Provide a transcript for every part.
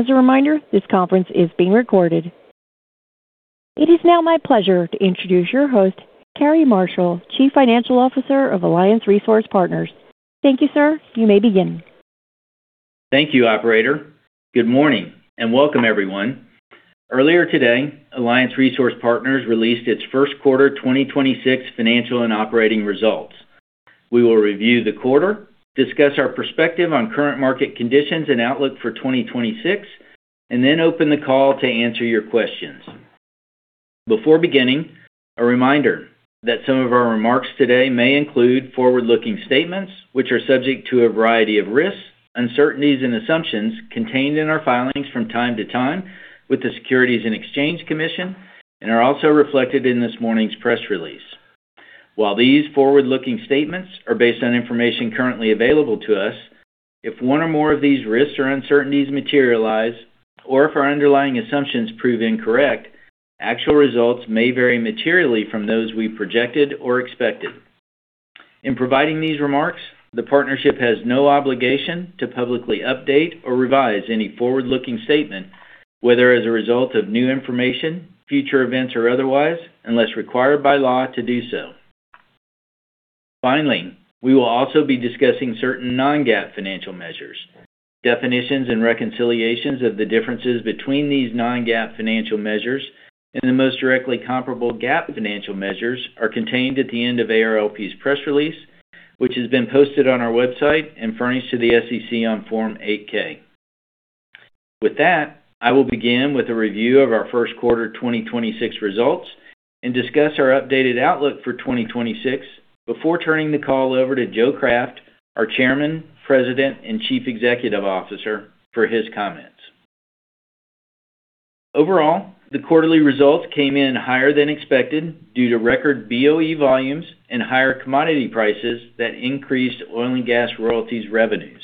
As a reminder, this conference is being recorded. It is now my pleasure to introduce your host, Cary Marshall, Chief Financial Officer of Alliance Resource Partners. Thank you, sir. You may begin. Thank you, operator. Good morning and welcome, everyone. Earlier today, Alliance Resource Partners released its first quarter 2026 financial and operating results. We will review the quarter, discuss our perspective on current market conditions and outlook for 2026, and then open the call to answer your questions. Before beginning, a reminder that some of our remarks today may include forward-looking statements which are subject to a variety of risks, uncertainties, and assumptions contained in our filings from time to time with the Securities and Exchange Commission and are also reflected in this morning's press release. While these forward-looking statements are based on information currently available to us, if one or more of these risks or uncertainties materialize, or if our underlying assumptions prove incorrect, actual results may vary materially from those we projected or expected. In providing these remarks, the partnership has no obligation to publicly update or revise any forward-looking statement, whether as a result of new information, future events, or otherwise, unless required by law to do so. Finally, we will also be discussing certain non-GAAP financial measures. Definitions and reconciliations of the differences between these non-GAAP financial measures and the most directly comparable GAAP financial measures are contained at the end of ARLP's press release, which has been posted on our website and furnished to the SEC on Form 8-K. With that, I will begin with a review of our first quarter 2026 results and discuss our updated outlook for 2026 before turning the call over to Joe Craft, our Chairman, President and Chief Executive Officer, for his comments. Overall, the quarterly results came in higher than expected due to record BOE volumes and higher commodity prices that increased oil and gas royalties revenues.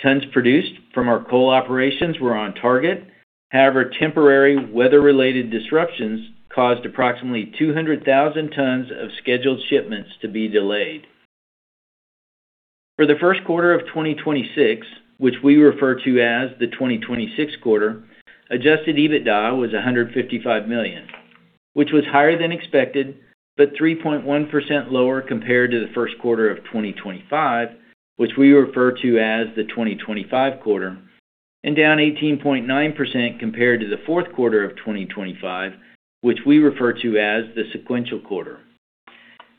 Tons produced from our coal operations were on target. However, temporary weather-related disruptions caused approximately 200,000 tons of scheduled shipments to be delayed. For the first quarter of 2026, which we refer to as the 2026 quarter, adjusted EBITDA was $155 million, which was higher than expected, but 3.1% lower compared to the first quarter of 2025, which we refer to as the 2025 quarter, and down 18.9% compared to the fourth quarter of 2025, which we refer to as the sequential quarter.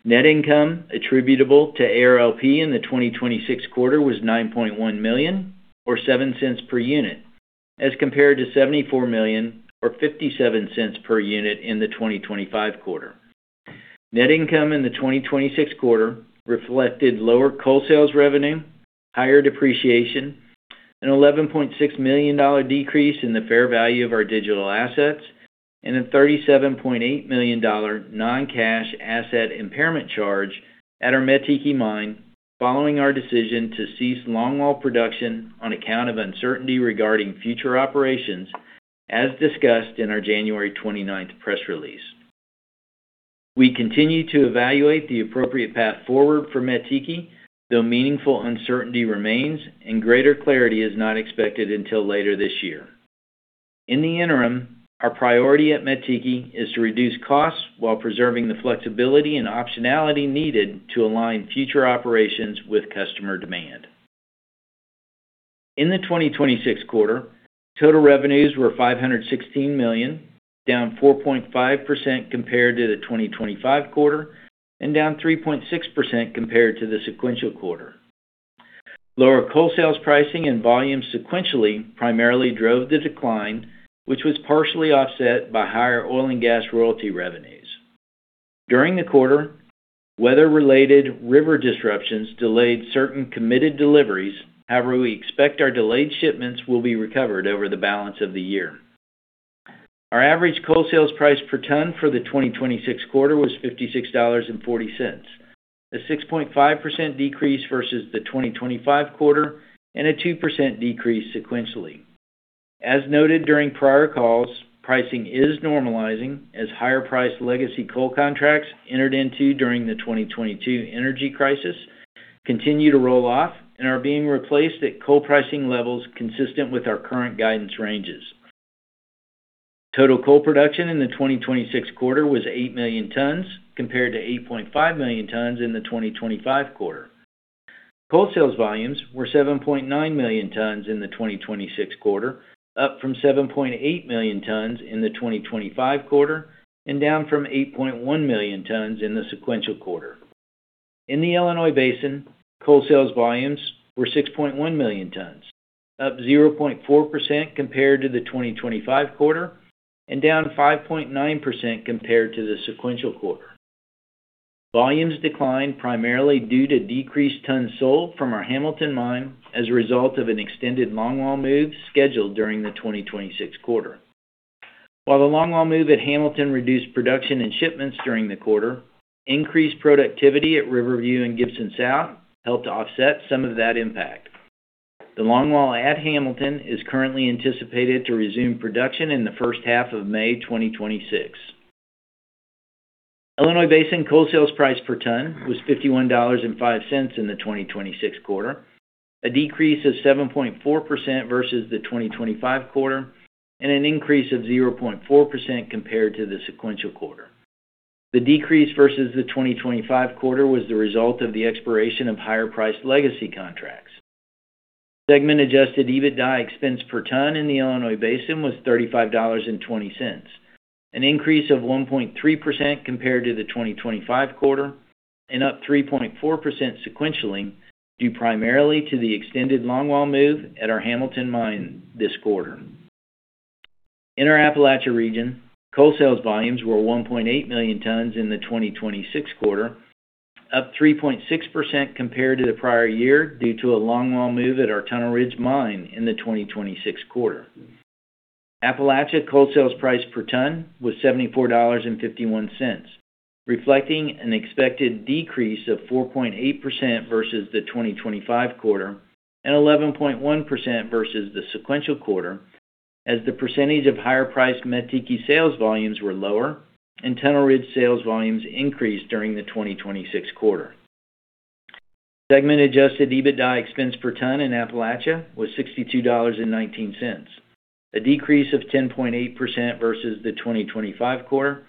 Net income attributable to ARLP in the 2026 quarter was $9.1 million or $0.07 per unit, as compared to $74 million or $0.57 per unit in the 2025 quarter. Net income in the 2026 quarter reflected lower coal sales revenue, higher depreciation, an $11.6 million decrease in the fair value of our digital assets, and a $37.8 million non-cash asset impairment charge at our Mettiki Mine following our decision to cease longwall production on account of uncertainty regarding future operations, as discussed in our January 29th press release. We continue to evaluate the appropriate path forward for Mettiki, though meaningful uncertainty remains and greater clarity is not expected until later this year. In the interim, our priority at Mettiki is to reduce costs while preserving the flexibility and optionality needed to align future operations with customer demand. In the 2026 quarter, total revenues were $516 million, down 4.5% compared to the 2025 quarter and down 3.6% compared to the sequential quarter. Lower coal sales pricing and volume sequentially primarily drove the decline, which was partially offset by higher oil and gas royalty revenues. During the quarter, weather-related river disruptions delayed certain committed deliveries. However, we expect our delayed shipments will be recovered over the balance of the year. Our average coal sales price per ton for the 2026 quarter was $56.40, a 6.5% decrease versus the 2025 quarter and a 2% decrease sequentially. As noted during prior calls, pricing is normalizing as higher-priced legacy coal contracts entered into during the 2022 energy crisis continue to roll off and are being replaced at coal pricing levels consistent with our current guidance ranges. Total coal production in the 2026 quarter was 8 million tons, compared to 8.5 million tons in the 2025 quarter. Coal sales volumes were 7.9 million tons in the 2026 quarter, up from 7.8 million tons in the 2025 quarter and down from 8.1 million tons in the sequential quarter. In the Illinois Basin, coal sales volumes were 6.1 million tons, up 0.4% compared to the 2025 quarter and down 5.9% compared to the sequential quarter. Volumes declined primarily due to decreased tons sold from our Hamilton Mine as a result of an extended longwall move scheduled during the 2026 quarter. While the longwall move at Hamilton reduced production and shipments during the quarter, increased productivity at Riverview and Gibson South helped to offset some of that impact. The longwall at Hamilton is currently anticipated to resume production in the first half of May 2026. Illinois Basin coal sales price per ton was $51.05 in the 2026 quarter, a decrease of 7.4% versus the 2025 quarter and an increase of 0.4% compared to the sequential quarter. The decrease versus the 2025 quarter was the result of the expiration of higher-priced legacy contracts. Segment Adjusted EBITDA expense per ton in the Illinois Basin was $35.20, an increase of 1.3% compared to the 2025 quarter, and up 3.4% sequentially, due primarily to the extended longwall move at our Hamilton Mine this quarter. In our Appalachia region, coal sales volumes were 1.8 million tons in the 2026 quarter, up 3.6% compared to the prior year due to a longwall move at our Tunnel Ridge Mine in the 2026 quarter. Appalachia coal sales price per ton was $74.51, reflecting an expected decrease of 4.8% versus the 2025 quarter and 11.1% versus the sequential quarter as the percentage of higher-priced Mettiki sales volumes were lower and Tunnel Ridge sales volumes increased during the 2026 quarter. Segment Adjusted EBITDA expense per ton in Appalachia was $62.19, a decrease of 10.8% versus the 2025 quarter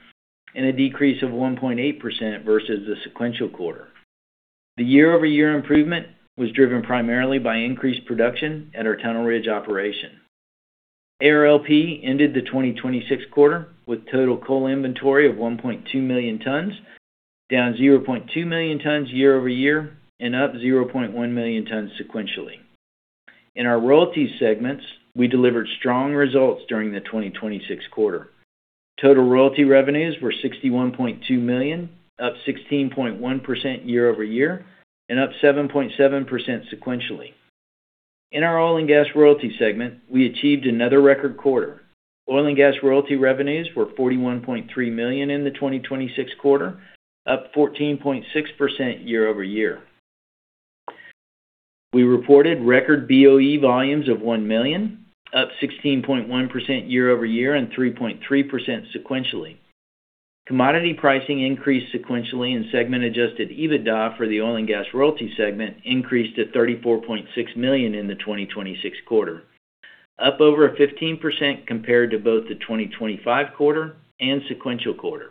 and a decrease of 1.8% versus the sequential quarter. The year-over-year improvement was driven primarily by increased production at our Tunnel Ridge operation. ARLP ended the 2026 quarter with total coal inventory of 1.2 million tons, down 0.2 million tons year-over-year and up 0.1 million tons sequentially. In our royalty segments, we delivered strong results during the 2026 quarter. Total royalty revenues were $61.2 million, up 16.1% year-over-year and up 7.7% sequentially. In our oil and gas royalty segment, we achieved another record quarter. Oil and gas royalty revenues were $41.3 million in the 2026 quarter, up 14.6% year-over-year. We reported record BOE volumes of 1 million, up 16.1% year-over-year and 3.3% sequentially. Commodity pricing increased sequentially, and segment adjusted EBITDA for the oil and gas royalty segment increased to $34.6 million in the 2026 quarter, up over 15% compared to both the 2025 quarter and sequential quarter.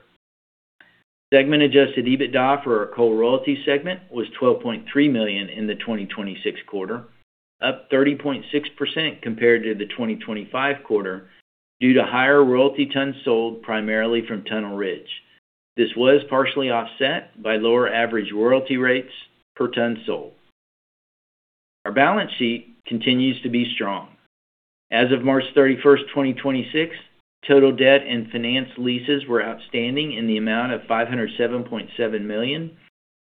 Segment adjusted EBITDA for our coal royalty segment was $12.3 million in the 2026 quarter, up 30.6% compared to the 2025 quarter due to higher royalty tons sold primarily from Tunnel Ridge. This was partially offset by lower average royalty rates per ton sold. Our balance sheet continues to be strong. As of March 31st, 2026, total debt and finance leases were outstanding in the amount of $507.7 million,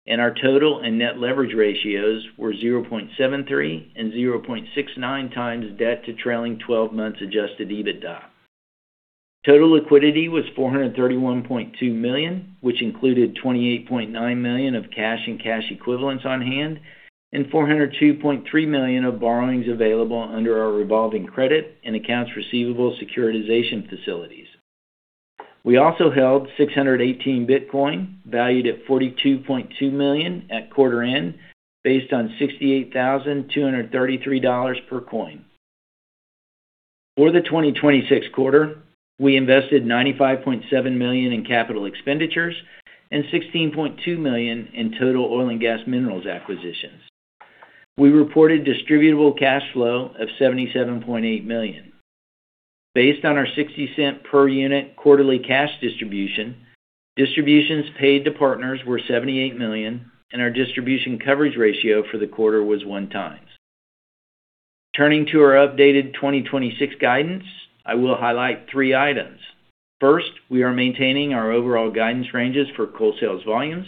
and our total and net leverage ratios were 0.73x and 0.69x debt to trailing 12 months Adjusted EBITDA. Total liquidity was $431.2 million, which included $28.9 million of cash and cash equivalents on hand and $402.3 million of borrowings available under our revolving credit and accounts receivable securitization facilities. We also held 618 Bitcoin, valued at $42.2 million at quarter end, based on $68,233 per coin. For the 2026 quarter, we invested $95.7 million in capital expenditures and $16.2 million in total oil and gas minerals acquisitions. We reported distributable cash flow of $77.8 million. Based on our $0.60 per unit quarterly cash distribution, distributions paid to partners were $78 million, and our distribution coverage ratio for the quarter was 1x. Turning to our updated 2026 guidance, I will highlight three items. First, we are maintaining our overall guidance ranges for coal sales volumes,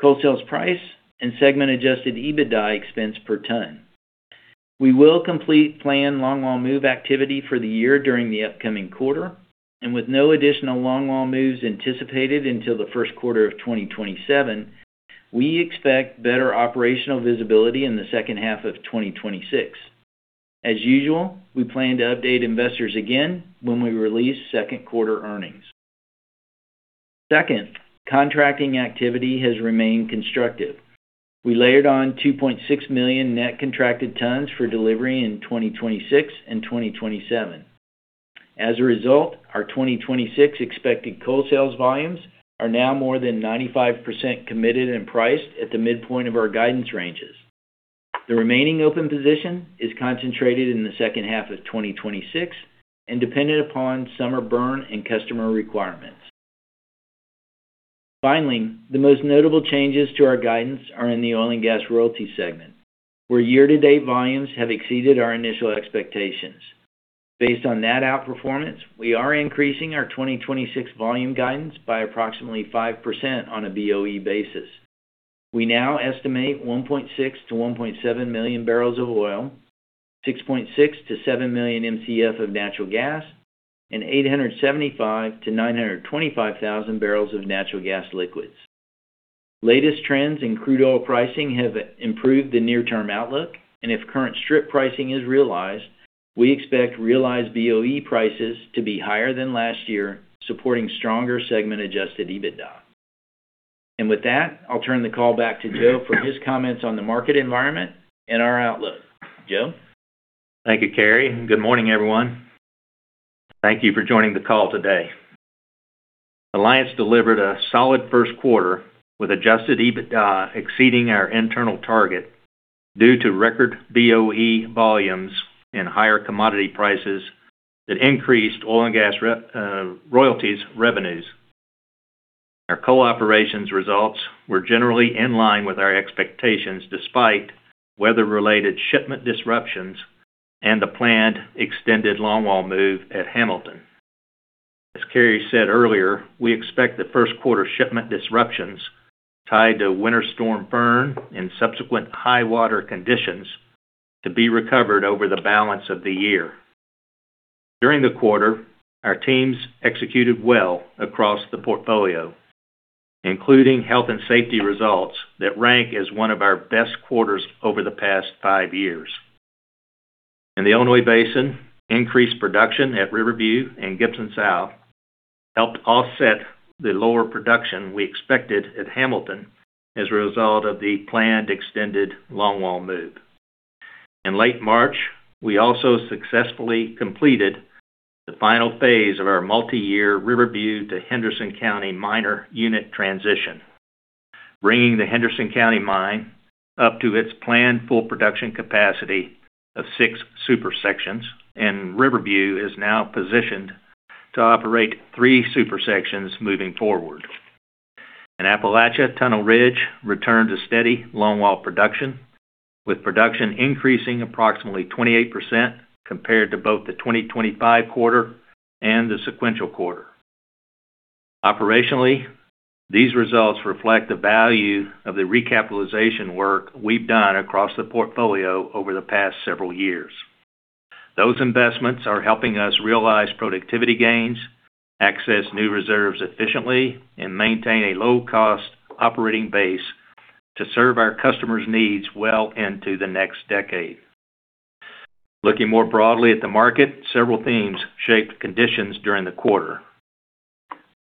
coal sales price, and segment Adjusted EBITDA expense per ton. We will complete planned longwall move activity for the year during the upcoming quarter, and with no additional longwall moves anticipated until the first quarter of 2027, we expect better operational visibility in the second half of 2026. As usual, we plan to update investors again when we release second quarter earnings. Second, contracting activity has remained constructive. We layered on 2.6 million net contracted tons for delivery in 2026 and 2027. As a result, our 2026 expected coal sales volumes are now more than 95 committed and priced at the midpoint of our guidance ranges. The remaining open position is concentrated in the second half of 2026 and dependent upon summer burn and customer requirements. Finally, the most notable changes to our guidance are in the oil and gas royalty segment, where year-to-date volumes have exceeded our initial expectations. Based on that outperformance, we are increasing our 2026 volume guidance by approximately 5% on a BOE basis. We now estimate 1.6 million-1.7 million bbl of oil, 6.6 million-7 million Mcf of natural gas, and 875,000-925,000 bbl of natural gas liquids. Latest trends in crude oil pricing have improved the near-term outlook. If current strip pricing is realized, we expect realized BOE prices to be higher than last year, supporting stronger segment Adjusted EBITDA. With that, I'll turn the call back to Joe for his comments on the market environment and our outlook. Joe? Thank you, Cary, and good morning, everyone. Thank you for joining the call today. Alliance delivered a solid first quarter with adjusted EBITDA exceeding our internal target due to record BOE volumes and higher commodity prices that increased oil and gas royalties revenues. Our coal operations results were generally in line with our expectations, despite weather-related shipment disruptions and the planned extended longwall move at Hamilton. As Cary said earlier, we expect the first quarter shipment disruptions tied to Winter Storm Fern and subsequent high-water conditions to be recovered over the balance of the year. During the quarter, our teams executed well across the portfolio, including health and safety results that rank as one of our best quarters over the past five years. In the Illinois Basin, increased production at Riverview and Gibson South helped offset the lower production we expected at Hamilton as a result of the planned extended longwall move. In late March, we also successfully completed the final phase of our multi-year Riverview to Henderson County Mine unit transition, bringing the Henderson County Mine up to its planned full production capacity of six super sections, and Riverview is now positioned to operate three super sections moving forward. In Appalachia, Tunnel Ridge returned to steady longwall production, with production increasing approximately 28% compared to both the 2025 quarter and the sequential quarter. Operationally, these results reflect the value of the recapitalization work we've done across the portfolio over the past several years. Those investments are helping us realize productivity gains, access new reserves efficiently, and maintain a low-cost operating base to serve our customers' needs well into the next decade. Looking more broadly at the market, several themes shaped conditions during the quarter.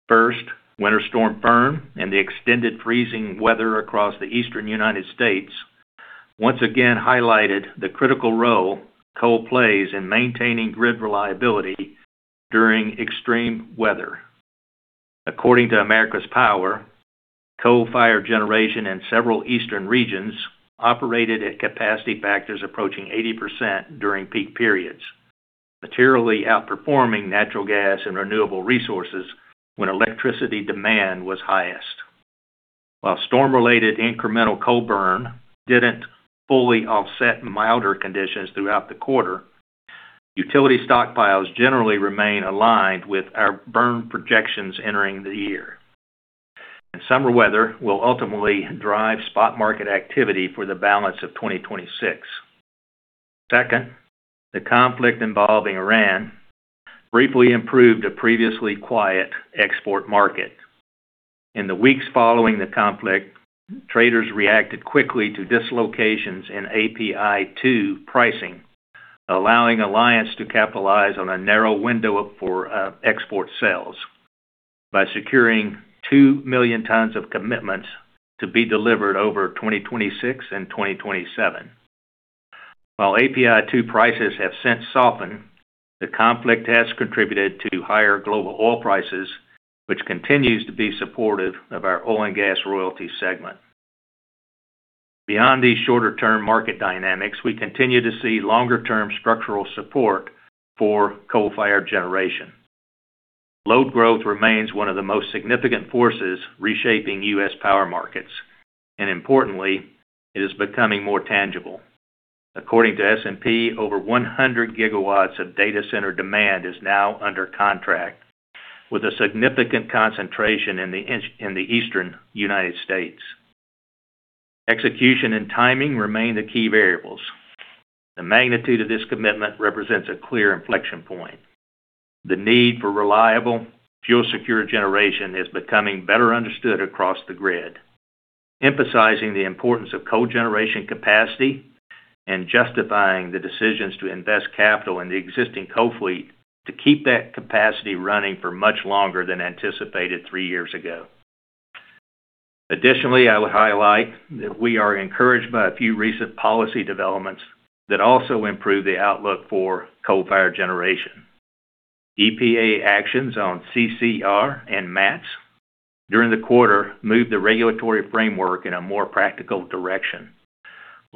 First, Winter Storm Fern and the extended freezing weather across the Eastern United States once again highlighted the critical role coal plays in maintaining grid reliability during extreme weather. According to America's Power, coal-fired generation in several eastern regions operated at capacity factors approaching 80% during peak periods, materially outperforming natural gas and renewable resources when electricity demand was highest. While storm-related incremental coal burn didn't fully offset milder conditions throughout the quarter, utility stockpiles generally remain aligned with our burn projections entering the year. Summer weather will ultimately drive spot market activity for the balance of 2026. Second, the conflict involving Iran briefly improved a previously quiet export market. In the weeks following the conflict, traders reacted quickly to dislocations in API 2 pricing, allowing Alliance to capitalize on a narrow window for export sales by securing 2 million tons of commitments to be delivered over 2026 and 2027. While API 2 prices have since softened, the conflict has contributed to higher global oil prices, which continues to be supportive of our oil and gas royalty segment. Beyond these shorter-term market dynamics, we continue to see longer-term structural support for coal-fired generation. Load growth remains one of the most significant forces reshaping U.S. power markets, and importantly, it is becoming more tangible. According to S&P, over 100 GW of data center demand is now under contract, with a significant concentration in the Eastern United States. Execution and timing remain the key variables. The magnitude of this commitment represents a clear inflection point. The need for reliable fuel-secure generation is becoming better understood across the grid, emphasizing the importance of coal generation capacity and justifying the decisions to invest capital in the existing coal fleet to keep that capacity running for much longer than anticipated three years ago. Additionally, I would highlight that we are encouraged by a few recent policy developments that also improve the outlook for coal-fired generation. EPA actions on CCR and MATS during the quarter moved the regulatory framework in a more practical direction,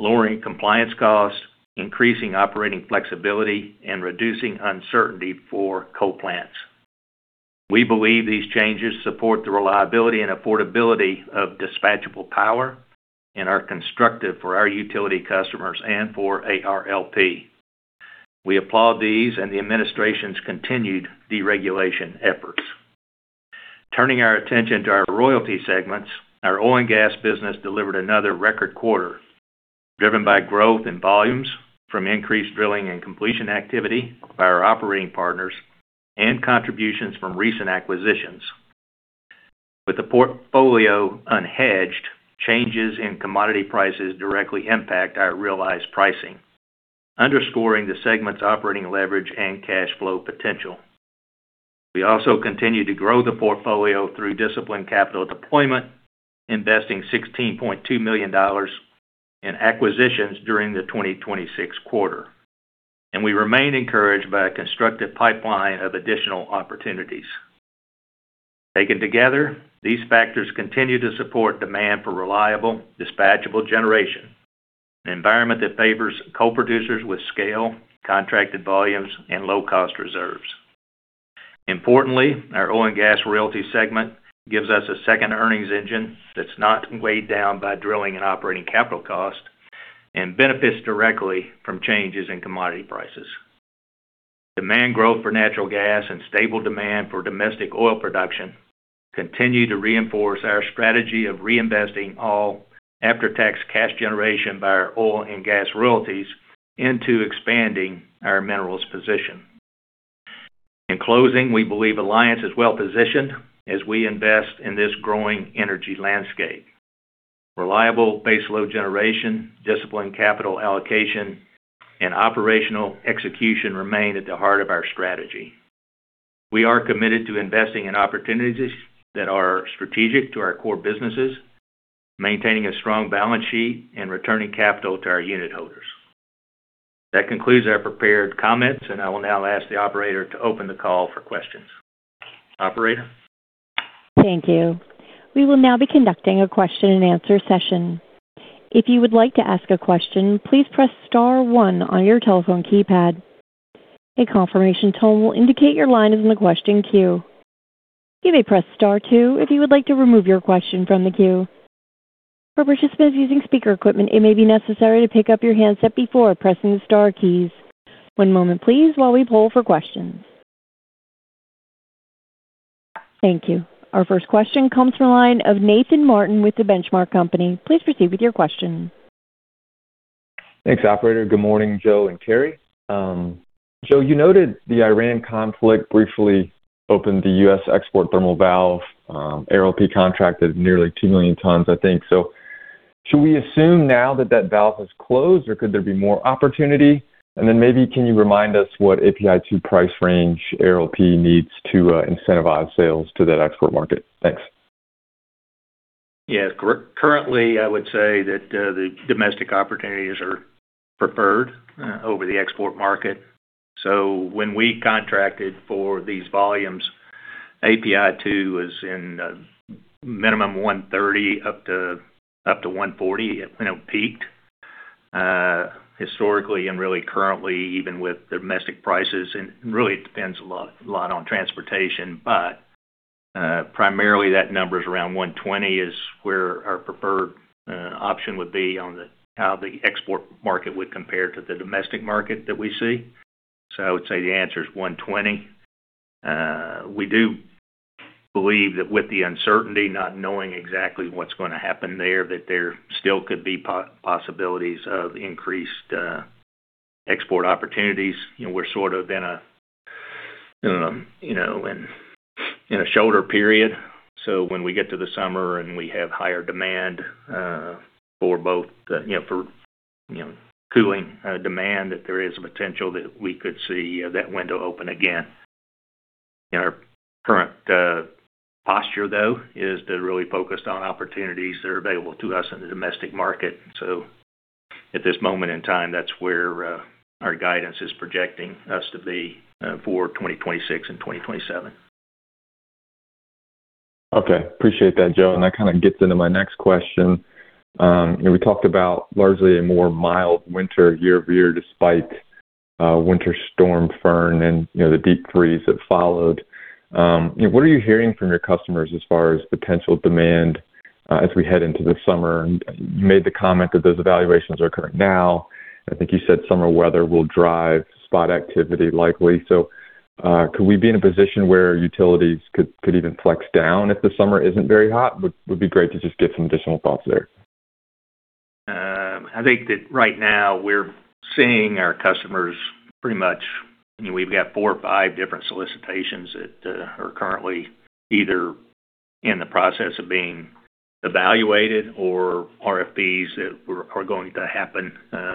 lowering compliance costs, increasing operating flexibility, and reducing uncertainty for coal plants. We believe these changes support the reliability and affordability of dispatchable power and are constructive for our utility customers and for ARLP. We applaud these and the administration's continued deregulation efforts. Turning our attention to our royalty segments, our oil and gas business delivered another record quarter. Driven by growth in volumes from increased drilling and completion activity by our operating partners and contributions from recent acquisitions. With the portfolio unhedged, changes in commodity prices directly impact our realized pricing, underscoring the segment's operating leverage and cash flow potential. We also continue to grow the portfolio through disciplined capital deployment, investing $16.2 million in acquisitions during the 2026 quarter, and we remain encouraged by a constructive pipeline of additional opportunities. Taken together, these factors continue to support demand for reliable dispatchable generation, an environment that favors coal producers with scale, contracted volumes and low cost reserves, not weighed down by drilling and operating capital cost and benefits directly from changes in commodity prices. Demand growth for natural gas and stable demand for domestic oil production continue to reinforce our strategy of reinvesting all after-tax cash generation by our oil and gas royalties into expanding our minerals position. In closing, we believe Alliance is well positioned as we invest in this growing energy landscape. Reliable baseload generation, disciplined capital allocation, and operational execution remain at the heart of our strategy. We are committed to investing in opportunities that are strategic to our core businesses, maintaining a strong balance sheet and returning capital to our unit holders. That concludes our prepared comments, and I will now ask the operator to open the call for questions. Operator? Thank you. We will now be conducting a question-and-answer session. If you would like to ask a question, please press star one on your telephone keypad. A confirmation tone will indicate your line is in the question queue. You may press star two if you would like to remove your question from the queue. For participants using speaker equipment, it may be necessary to pick up your handset before pressing the star keys. One moment please while we poll for questions. Thank you. Our first question comes from the line of Nathan Martin with The Benchmark Company. Please proceed with your question. Thanks, operator. Good morning, Joe and Cary. Joe, you noted the Iran conflict briefly opened the U.S. export thermal valve, ARLP contracted nearly 2 million tons, I think. Should we assume now that that valve has closed, or could there be more opportunity? Maybe can you remind us what API2 price range ARLP needs to incentivize sales to that export market? Thanks. Yeah. Currently, I would say that the domestic opportunities are preferred over the export market. When we contracted for these volumes, API2 was in minimum $130 up to $140, when it peaked. Historically and really currently, even with domestic prices, and really it depends a lot on transportation, but primarily that number is around $120 is where our preferred option would be on how the export market would compare to the domestic market that we see. I would say the answer is $120. We do believe that with the uncertainty, not knowing exactly what's going to happen there, that there still could be possibilities of increased export opportunities. You know, we're sort of in a you know, in a shoulder period. When we get to the summer and we have higher demand for both, for cooling demand, that there is a potential that we could see that window open again. Our current posture, though, is to really focus on opportunities that are available to us in the domestic market. At this moment in time, that's where our guidance is projecting us to be for 2026 and 2027. Okay. Appreciate that, Joe. That kind of gets into my next question. We talked about largely a more mild winter year over year, despite Winter Storm Fern and the deep freeze that followed. What are you hearing from your customers as far as potential demand as we head into the summer? You made the comment that those evaluations are current now. I think you said summer weather will drive spot activity likely. Could we be in a position where utilities could even flex down if the summer isn't very hot? Would be great to just get some additional thoughts there. I think that right now we're seeing our customers we've got four or five different solicitations that are currently either in the process of being evaluated or RFPs that are going to happen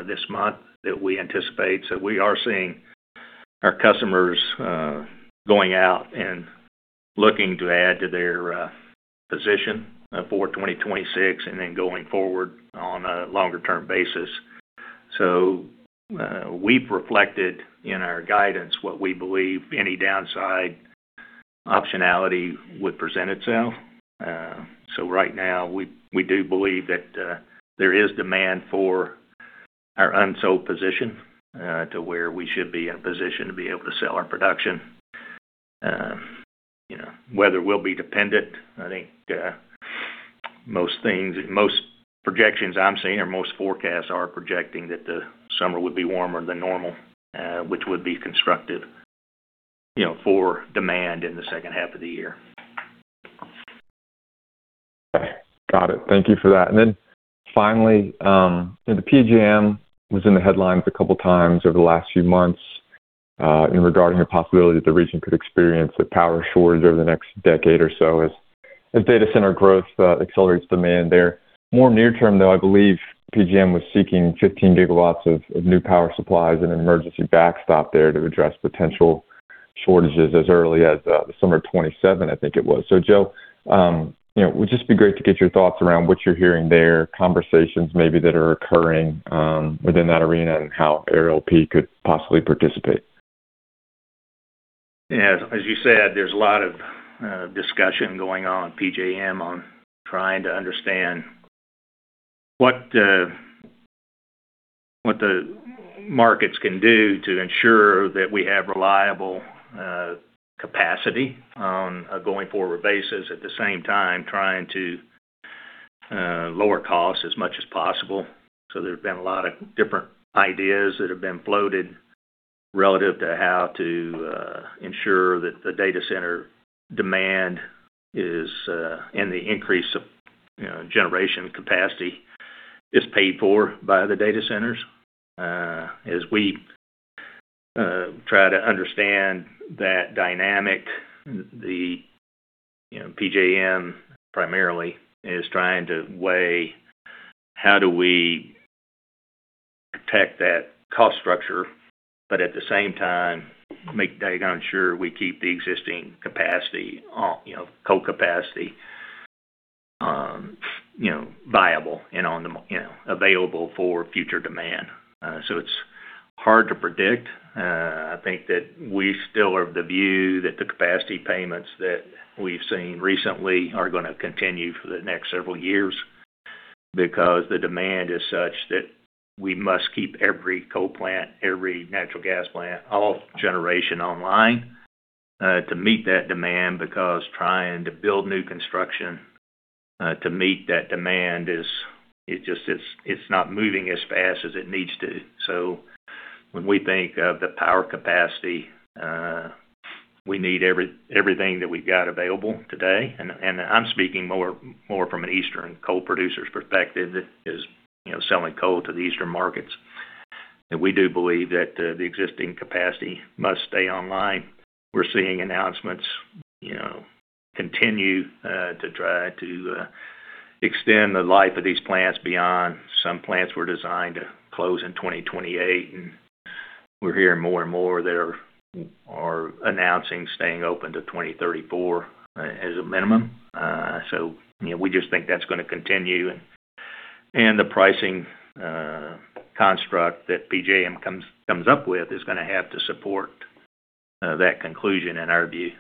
this month that we anticipate. We are seeing our customers going out and looking to add to their position for 2026 and then going forward on a longer term basis. We've reflected in our guidance what we believe any downside optionality would present itself. Right now we do believe that there is demand for our unsold position to where we should be in a position to be able to sell our production. Weather will be dependent. I think, most things, most projections I'm seeing or most forecasts are projecting that the summer would be warmer than normal, which would be constructive, you know, for demand in the second half of the year. Okay. Got it. Thank you for that. Then finally, the PJM was in the headlines a couple of times over the last few months in regarding the possibility that the region could experience a power shortage over the next decade or so as data center growth accelerates demand there. More near-term, though, I believe PJM was seeking 15 GW of new power supplies and emergency backstop there to address potential shortages as early as the summer of 2027, I think it was. Joe, you know, it would just be great to get your thoughts around what you're hearing there, conversations maybe that are occurring within that arena and how ARLP could possibly participate. Yeah. As you said, there's a lot of discussion going on in PJM on trying to understand what the markets can do to ensure that we have reliable capacity on a going forward basis, at the same time trying to lower costs as much as possible. There's been a lot of different ideas that have been floated relative to how to ensure that the data center demand is and the increase of, you know, generation capacity is paid for by the data centers. As we try to understand that dynamic, you know, PJM primarily is trying to weigh how do we protect that cost structure, but at the same time ensure we keep the existing capacity, you know, coal capacity, you know, viable and available for future demand. It's hard to predict. I think that we still are of the view that the capacity payments that we've seen recently are gonna continue for the next several years because the demand is such that we must keep every coal plant, every natural gas plant, all generation online to meet that demand because trying to build new construction to meet that demand is just not moving as fast as it needs to. When we think of the power capacity, we need everything that we've got available today. I'm speaking more from an eastern coal producer's perspective that is, you know, selling coal to the eastern markets, that we do believe that the existing capacity must stay online. We're seeing announcements, you know, continue to try to extend the life of these plants beyond. Some plants were designed to close in 2028, and we're hearing more and more that are announcing staying open to 2034 as a minimum. You know, we just think that's gonna continue. The pricing construct that PJM comes up with is gonna have to support that conclusion in our view.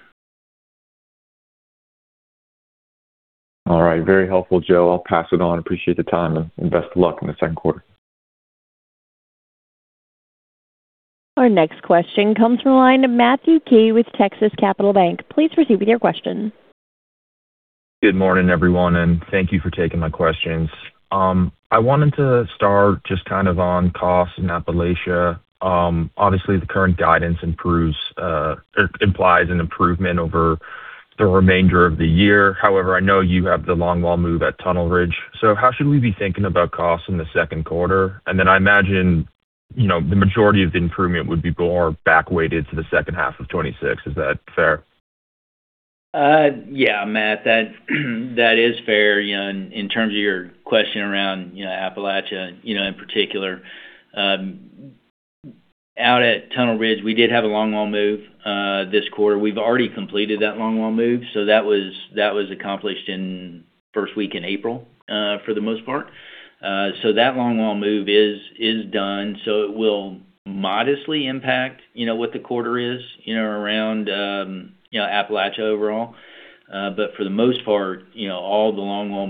All right. Very helpful, Joe. I'll pass it on. Appreciate the time and best of luck in the second quarter. Our next question comes from the line of Matthew Key with Texas Capital Bank. Please proceed with your question. Good morning, everyone, and thank you for taking my questions. I wanted to start just kind of on costs in Appalachia. Obviously the current guidance improves or implies an improvement over the remainder of the year. However, I know you have the longwall move at Tunnel Ridge. How should we be thinking about costs in the second quarter? Then I imagine, you know, the majority of the improvement would be more back weighted to the second half of 2026. Is that fair? Yeah, Matt, that is fair. You know, in terms of your question around Appalachia in particular. Out at Tunnel Ridge, we did have a longwall move this quarter. We've already completed that longwall move. So that was accomplished in first week in April for the most part. So that longwall move is done. So it will modestly impact what the quarter is around Appalachia overall. But for the most part, you know, all the longwall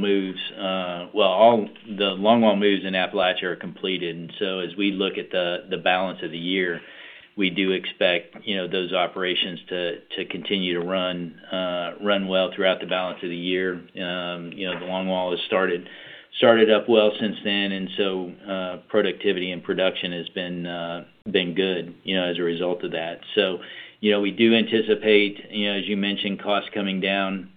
moves in Appalachia are completed. As we look at the balance of the year, we do expect those operations to continue to run well throughout the balance of the year. You know, the longwall has started up well since then. Productivity and production has been good, you know, as a result of that. You know, we do anticipate, you know, as you mentioned, costs coming down.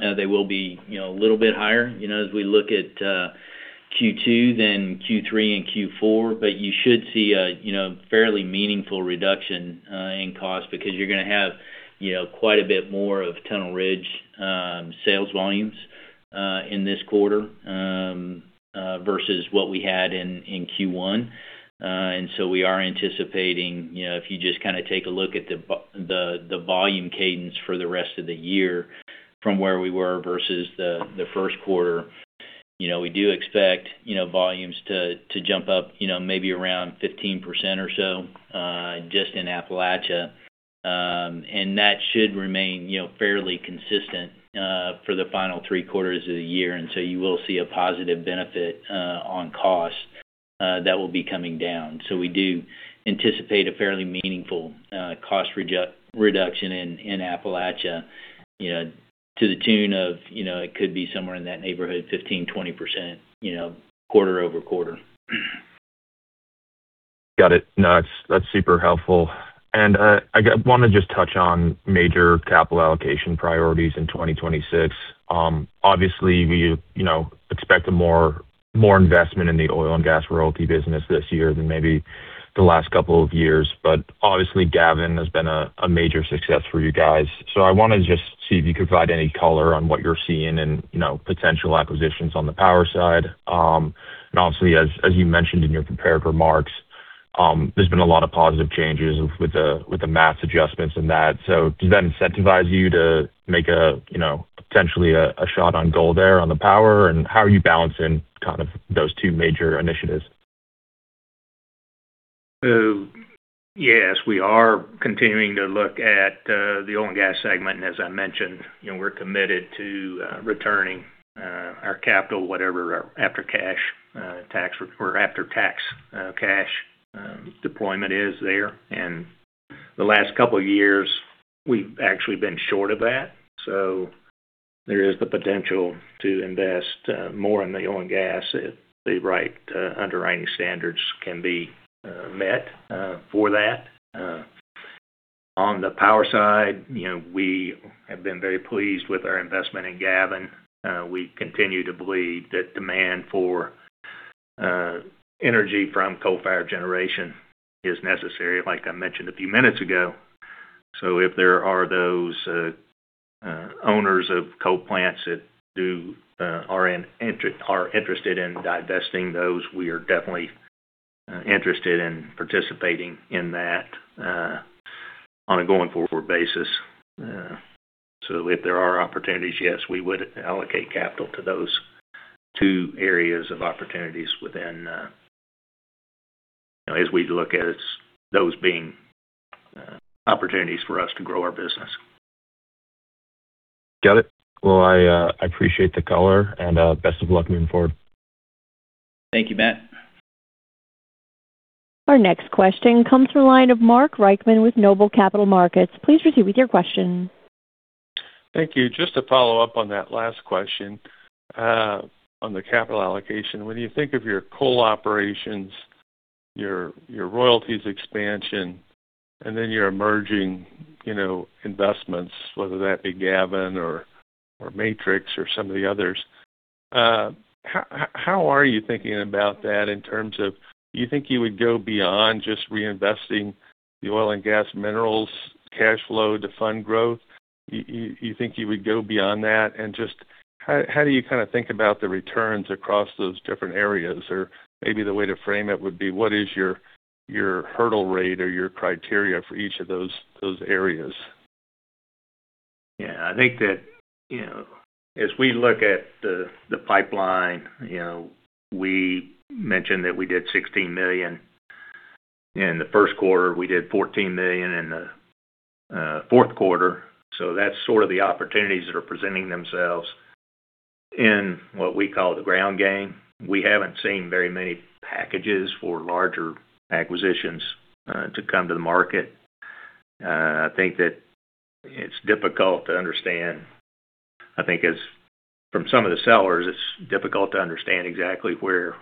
They will be, you know, a little bit higher, you know, as we look at Q2 than Q3 and Q4. You should see a fairly meaningful reduction in cost because you're gonna have, you know, quite a bit more of Tunnel Ridge sales volumes in this quarter versus what we had in Q1. We are anticipating, you know, if you just kinda take a look at the volume cadence for the rest of the year from where we were versus the first quarter. You know, we do expect, you know, volumes to jump up, you know, maybe around 15% or so, just in Appalachia. That should remain, you know, fairly consistent, for the final three quarters of the year. You will see a positive benefit on cost that will be coming down. We do anticipate a fairly meaningful cost reduction in Appalachia, you know, to the tune of, you know, it could be somewhere in that neighborhood 15% and 20%, you know, quarter-over-quarter. Got it. No, that's super helpful. I wanna just touch on major capital allocation priorities in 2026. Obviously we, you know, expect a more investment in the oil and gas royalty business this year than maybe the last couple of years. Obviously Gavin has been a major success for you guys. I wanna just see if you could provide any color on what you're seeing and, you know, potential acquisitions on the power side. Obviously, as you mentioned in your prepared remarks, there's been a lot of positive changes with the MATS adjustments and that. Does that incentivize you to make a, you know, potentially a shot on goal there on the power, and how are you balancing kind of those two major initiatives? Yes, we are continuing to look at the oil and gas segment, and as I mentioned, you know, we're committed to returning our capital, whatever our after-tax cash deployment is there. The last couple of years, we've actually been short of that. There is the potential to invest more in the oil and gas if the right underwriting standards can be met for that. On the power side, you know, we have been very pleased with our investment in Gavin. We continue to believe that demand for energy from coal-fired generation is necessary, like I mentioned a few minutes ago. If there are those owners of coal plants that are in... If they are interested in divesting those, we are definitely interested in participating in that on a going forward basis. If there are opportunities, yes, we would allocate capital to those two areas of opportunities within, as we look at it, those being opportunities for us to grow our business. Got it. Well, I appreciate the color and best of luck moving forward. Thank you, Matt. Our next question comes from the line of Mark Reichman with Noble Capital Markets. Please proceed with your question. Thank you. Just to follow up on that last question on the capital allocation. When you think of your coal operations, your royalties expansion, and then your emerging, you know, investments, whether that be Gavin or Matrix or some of the others, how are you thinking about that in terms of, do you think you would go beyond just reinvesting the oil and gas minerals cash flow to fund growth? You think you would go beyond that? And just how do you kinda think about the returns across those different areas? Maybe the way to frame it would be what is your hurdle rate or your criteria for each of those areas? Yeah. I think that, you know, as we look at the pipeline, you know, we mentioned that we did $16 million in the first quarter. We did $14 million in the, uh, fourth quarter. So that's sort of the opportunities that are presenting themselves in what we call the ground game. We haven't seen very many packages for larger acquisitions, uh, to come to the market. Uh, I think that it's difficult to understand. I think as from some of the sellers, it's difficult to understand exactly where,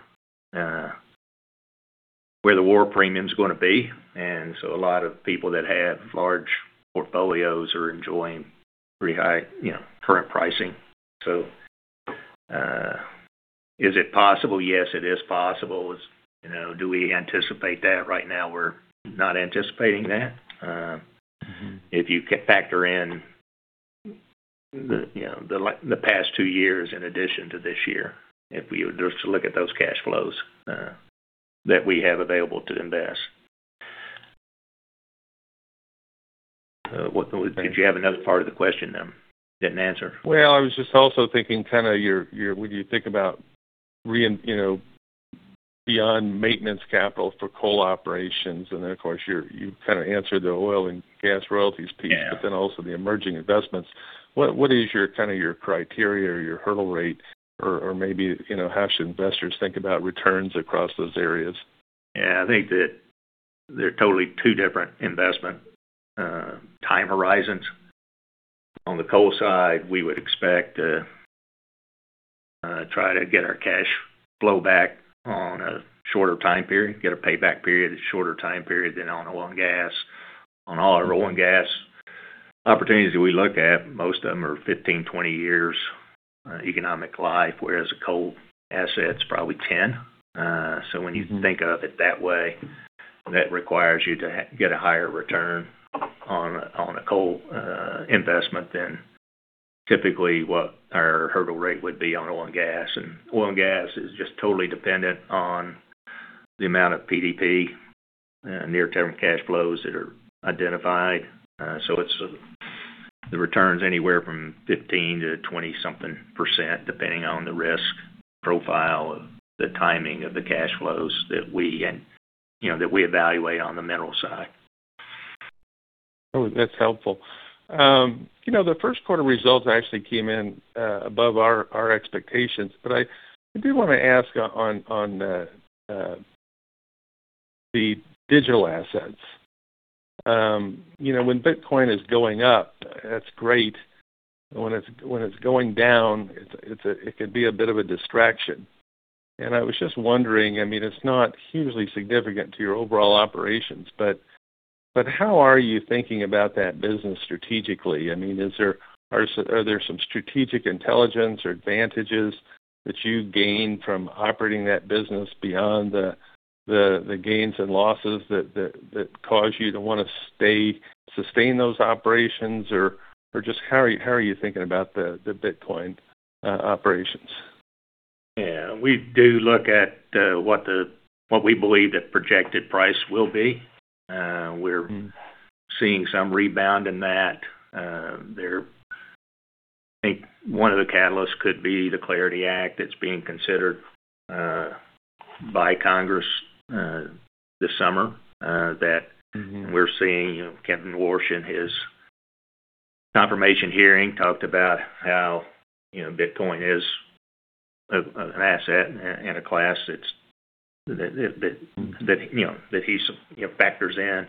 uh, where the war premium is gonna be. And so a lot of people that have large portfolios are enjoying pretty high, you know, current pricing. So, uh, is it possible? Yes, it is possible. You know, do we anticipate that right now? We're not anticipating that. If you factor in, you know, the past two years in addition to this year, if we were just to look at those cash flows that we have available to invest. Did you have another part of the question that I didn't answer? Well, I was just also thinking kinda your... When you think about rein-- you know, beyond maintenance capital for coal operations, and then of course you're-- you kinda answered the oil and gas royalties piece- Yeah. also the emerging investments. What is your, kinda your criteria or your hurdle rate or maybe, you know, how should investors think about returns across those areas? Yeah. I think that they're totally two different investment time horizons. On the coal side, we would expect to try to get our cash flow back on a shorter time period, get a payback period, a shorter time period than on oil and gas. On all our oil and gas opportunities that we look at, most of them are 15, 20 years economic life, whereas a coal asset's probably 10. So when you think of it that way, that requires you to get a higher return on a coal investment than typically what our hurdle rate would be on oil and gas. Oil and gas is just totally dependent on the amount of PDP near-term cash flows that are identified. It's the returns anywhere from 15%-20-something%, depending on the risk profile, the timing of the cash flows that we, you know, evaluate on the mineral side. Oh, that's helpful. You know, the first quarter results actually came in above our expectations. I do wanna ask on the digital assets. You know, when Bitcoin is going up, that's great. When it's going down, it can be a bit of a distraction. I was just wondering, I mean, it's not hugely significant to your overall operations, but how are you thinking about that business strategically? I mean, are there some strategic intelligence or advantages that you gain from operating that business beyond the gains and losses that cause you to wanna sustain those operations? Or just how are you thinking about the Bitcoin operations? Yeah. We do look at what we believe the projected price will be. We're- Mm-hmm. Seeing some rebound in that. I think one of the catalysts could be the Clarity Act that's being considered by Congress this summer, that Mm-hmm. We're seeing, you know, Kevin Warsh in his confirmation hearing talked about how, you know, Bitcoin is an asset and a class that's that he's, you know, factors in.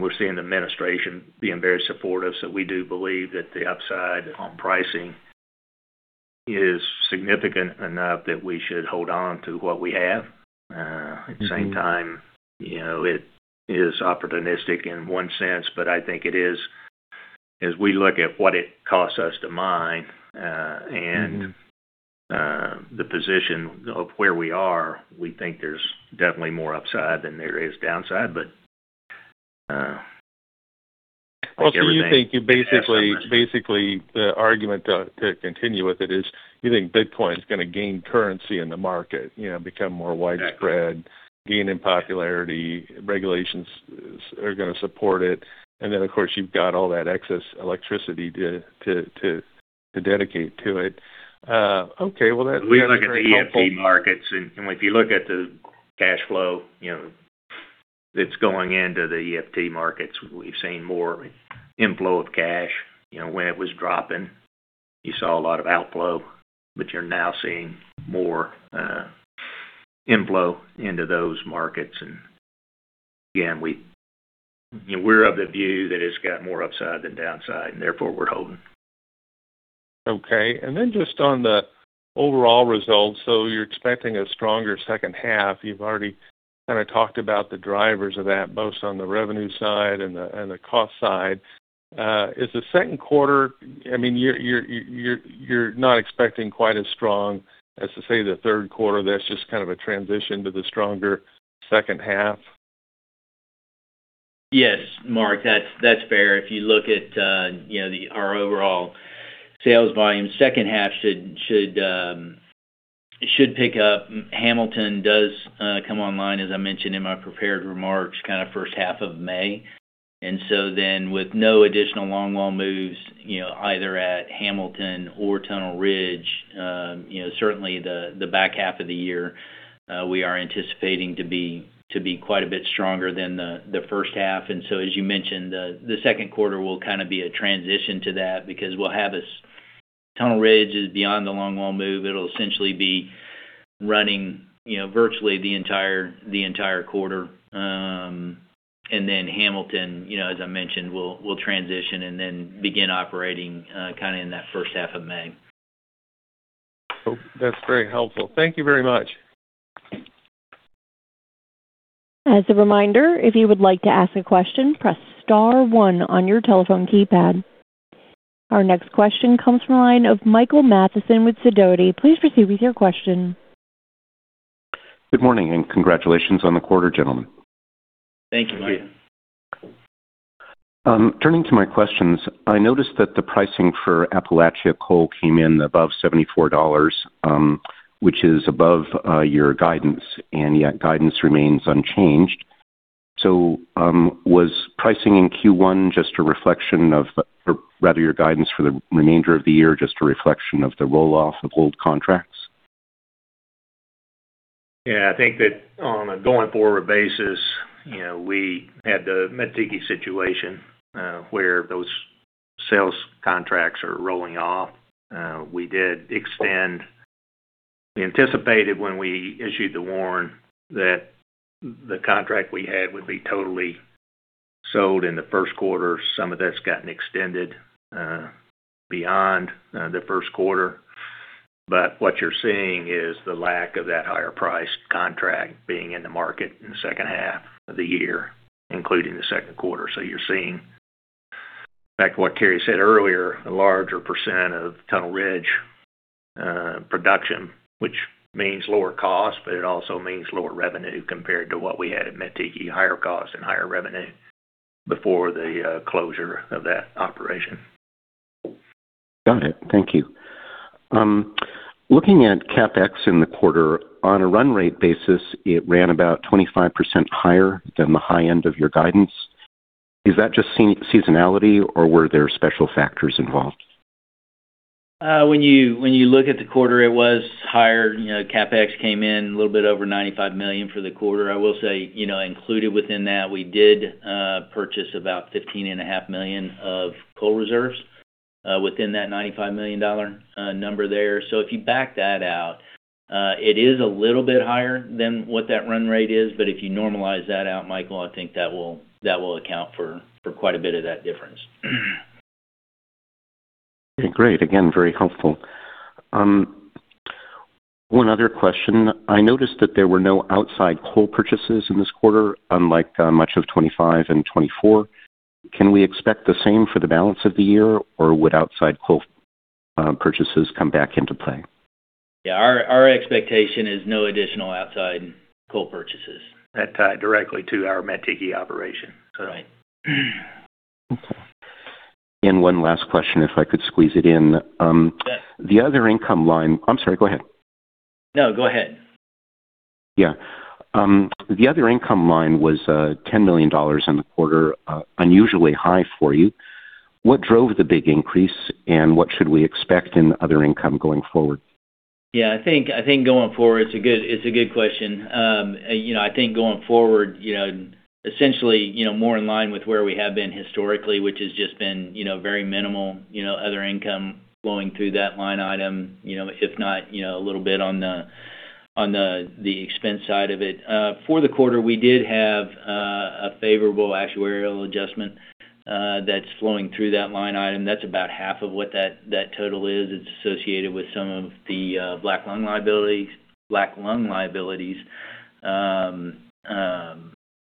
We're seeing the administration being very supportive. We do believe that the upside on pricing is significant enough that we should hold on to what we have. Mm-hmm. At the same time, you know, it is opportunistic in one sense, but I think it is. As we look at what it costs us to mine. Mm-hmm. The position of where we are, we think there's definitely more upside than there is downside. Like everything- You think you basically the argument to continue with it is you think Bitcoin is gonna gain currency in the market, you know, become more widespread. Yeah. Gain in popularity, regulations are gonna support it. And then, of course, you've got all that excess electricity to, to dedicate to it. Uh, okay. Well, that's very helpful. We look at the ETF markets and if you look at the cash flow, you know, that's going into the ETF markets, we've seen more inflow of cash. You know, when it was dropping, you saw a lot of outflow, but you're now seeing more, inflow into those markets. Again, we, you know, we're of the view that it's got more upside than downside, and therefore we're holding. Okay. just on the overall results. You're expecting a stronger second half. You've already kinda talked about the drivers of that, both on the revenue side and the cost side. Is the second quarter, I mean, you're not expecting quite as strong as, say, the third quarter? That's just kind of a transition to the stronger second half? Yes, Mark, that's fair. If you look at, uh, you know, the-- our overall sales volume, second half should, um, should pick up. Hamilton does, uh, come online, as I mentioned in my prepared remarks, kinda first half of May. And so then with no additional long wall moves, you know, either at Hamilton or Tunnel Ridge, um, you know, certainly the back half of the year, uh, we are anticipating to be, to be quite a bit stronger than the first half. And so as you mentioned, the second quarter will kinda be a transition to that because we'll have this Tunnel Ridge is beyond the long wall move. It'll essentially be running, you know, virtually the entire, the entire quarter. Hamilton, you know, as I mentioned, will transition and then begin operating kinda in that first half of May. That's very helpful. Thank you very much. As a reminder, if you would like to ask a question, press star one on your telephone keypad. Our next question comes from the line of Michael Mathison with Sidoti. Please proceed with your question. Good morning and congratulations on the quarter, gentlemen. Thank you. Thank you. Turning to my questions. I noticed that the pricing for Appalachia Coal came in above $74, which is above your guidance, and yet guidance remains unchanged. Was pricing in Q1 just a reflection of or rather your guidance for the remainder of the year, just a reflection of the roll-off of old contracts? Yeah, I think that on a going forward basis, you know, we had the Mettiki situation, where those sales contracts are rolling off. We anticipated when we issued the WARN that the contract we had would be totally sold in the first quarter. Some of that's gotten extended beyond the first quarter. What you're seeing is the lack of that higher priced contract being in the market in the second half of the year, including the second quarter. You're seeing, back to what Cary Marshall said earlier, a larger percent of Tunnel Ridge production, which means lower cost, but it also means lower revenue compared to what we had at Mettiki, higher cost and higher revenue before the closure of that operation. Got it. Thank you. Looking at CapEx in the quarter, on a run rate basis, it ran about 25% higher than the high end of your guidance. Is that just seasonality or were there special factors involved? Uh, when you, when you look at the quarter, it was higher. You know, CapEx came in a little bit over $95 million for the quarter. I will say, you know, included within that, we did, uh, purchase about $15.5 million of coal reserves. Uh, within that $95 million, uh, number there. So if you back that out, uh, it is a little bit higher than what that run rate is, but if you normalize that out, Michael, I think that will, that will account for quite a bit of that difference. Okay, great. Again, very helpful. One other question. I noticed that there were no outside coal purchases in this quarter, unlike much of 2025 and 2024. Can we expect the same for the balance of the year, or would outside coal purchases come back into play? Yeah. Our, our expectation is no additional outside coal purchases. That tied directly to our Mettiki operation. Right. Okay. One last question, if I could squeeze it in. Sure. The other income line. I'm sorry, go ahead. No, go ahead. Yeah. The other income line was $10 million in the quarter, unusually high for you. What drove the big increase, and what should we expect in other income going forward? Yeah, I think, I think going forward, it's a good, it's a good question. Um, you know, I think going forward, you know, essentially, you know, more in line with where we have been historically, which has just been, you know, very minimal, you know, other income flowing through that line item. You know, if not, you know, a little bit on the, on the expense side of it. Uh, for the quarter, we did have, uh, a favorable actuarial adjustment, uh, that's flowing through that line item. That's about half of what that total is. It's associated with some of the, uh, black lung liability, black lung liabilities, um,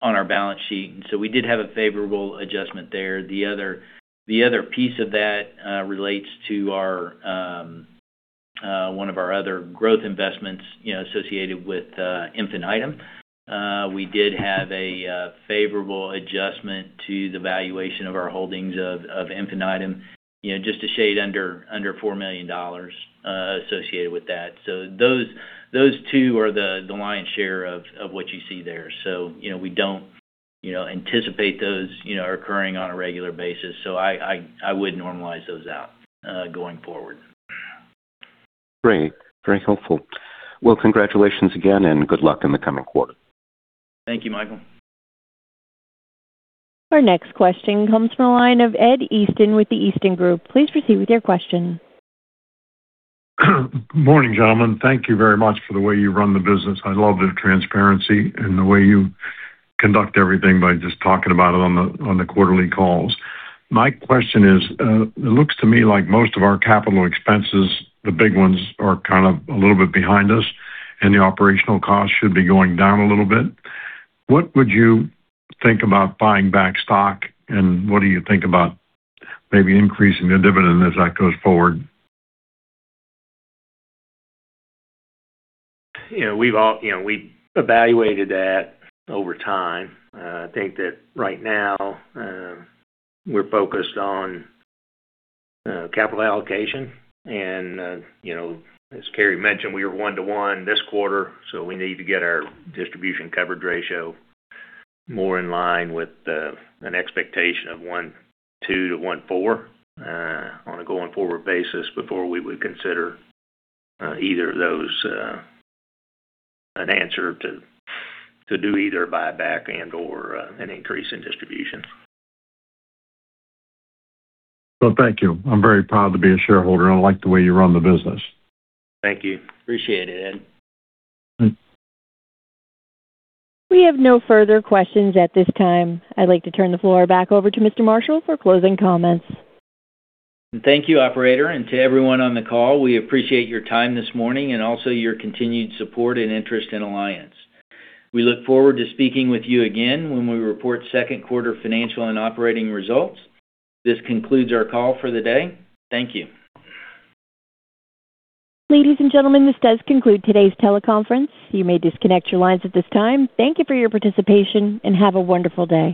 on our balance sheet. So we did have a favorable adjustment there. The other, the other piece of that, uh, relates to our, um, uh, one of our other growth investments, you know, associated with, uh, Infinitum. We did have a favorable adjustment to the valuation of our holdings of Infinitum, you know, just a shade under $4 million associated with that. Those, those two are the lion's share of what you see there. We don't, you know, anticipate those, you know, occurring on a regular basis. I would normalize those out going forward. Great. Very helpful. Congratulations again, and good luck in the coming quarter. Thank you, Michael. Our next question comes from the line of Ed Easton with The Easton Group. Please proceed with your question. Morning, gentlemen. Thank you very much for the way you run the business. I love the transparency and the way you conduct everything by just talking about it on the quarterly calls. My question is, it looks to me like most of our capital expenses, the big ones, are kind of a little bit behind us, and the operational costs should be going down a little bit. What would you think about buying back stock, and what do you think about maybe increasing the dividend as that goes forward? You know, we've all, you know, we evaluated that over time. Uh, I think that right now, um, we're focused on, uh, capital allocation and, uh, you know, as Cary mentioned, we were one-to-one this quarter, so we need to get our distribution coverage ratio more in line with, uh, an expectation of one two to one four, uh, on a going forward basis before we would consider, uh, either of those, uh, an answer to do either buyback and/or an increase in distribution. Well, thank you. I'm very proud to be a shareholder. I like the way you run the business. Thank you. Appreciate it, Ed. Thanks. We have no further questions at this time. I'd like to turn the floor back over to Mr. Marshall for closing comments. Thank you, operator, and to everyone on the call. We appreciate your time this morning and also your continued support and interest in Alliance. We look forward to speaking with you again when we report second quarter financial and operating results. This concludes our call for the day. Thank you. Ladies and gentlemen, this does conclude today's teleconference. You may disconnect your lines at this time. Thank you for your participation and have a wonderful day.